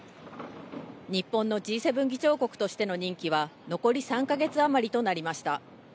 日本のＧ７議長国としての任期は残り３か月余りとなりました。